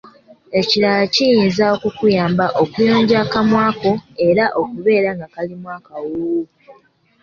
Ekirala kiyinza okukuyamba okuyonja akamwa ko era okubeera nga kalimu akawoowo